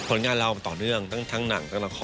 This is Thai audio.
ผลงานเราต่อเนื่องตั้งทั้งหนังตั้งต่างคอ